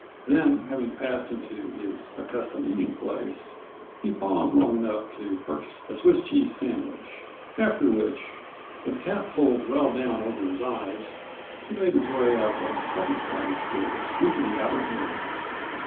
Then, having passed into his accustomed eating place, he paused long enough to purchase a Swiss cheese sandwich, after which, with cap pulled well down over his eyes, he made his way up a second flight of stairs into the outer air.